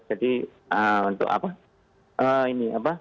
jadi untuk apa